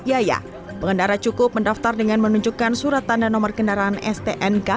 biaya pengendara cukup mendaftar dengan menunjukkan surat tanda nomor kendaraan stnk